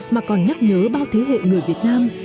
mà còn nhắc nhớ bao thế hệ người việt nam